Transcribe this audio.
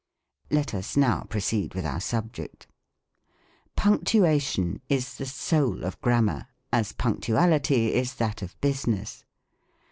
Let us now proceed with our subject. Punctuation is the soul of Grammar, as Punctuality is that of business.